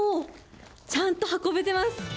ちゃんと運べてます。